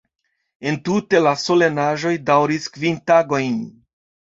Entute la solenaĵoj daŭris kvin tagojn.